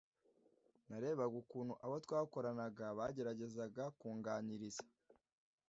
narebaga ukuntu abo twakoranaga bageragezaga kunganiriza.